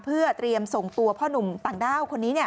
เพื่อเตรียมส่งตัวพ่อหนุ่มต่างด้าวคนนี้